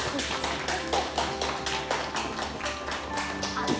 あっ。